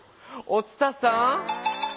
お伝さん